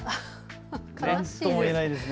なんとも言えないですね。